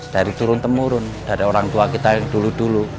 dari turun temurun dari orang tua kita yang dulu dulu